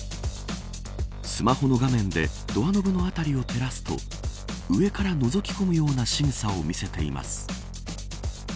スマホの画面でドアノブのあたりを照らすと上から覗き込むようなしぐさを見せています。